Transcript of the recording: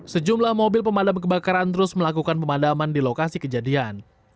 sejumlah mobil pemadam kebakaran terus melakukan pemadaman di lokasi kejadian